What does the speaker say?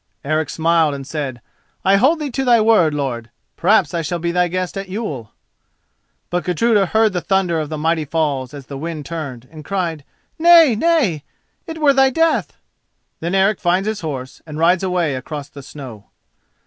Eric smiled and said, "I hold thee to thy word, lord; perhaps I shall be thy guest at Yule." But Gudruda heard the thunder of the mighty Falls as the wind turned, and cried "Nay, nay—it were thy death!" Then Eric finds his horse and rides away across the snow.